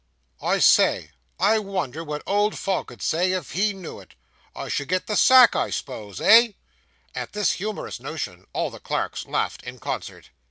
I say, I wonder what old Fogg 'ud say, if he knew it. I should get the sack, I s'pose eh?' At this humorous notion, all the clerks laughed in concert.